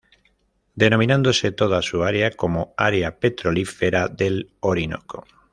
Denominándose toda su área como "Área Petrolífera del Orinoco".